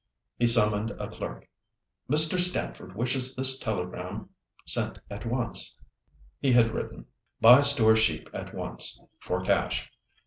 He summoned a clerk. "Mr. Stamford wishes this telegram sent at once." He had written: "Buy store sheep at once—for cash.